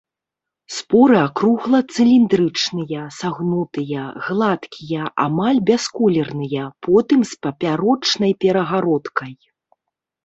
Споры акругла-цыліндрычныя, сагнутыя, гладкія, амаль бясколерныя, потым з папярочнай перагародкай.